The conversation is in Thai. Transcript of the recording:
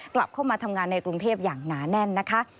กลับเข้ามาทำงานในกรุงเทพอย่างหนาแน่นนะคะ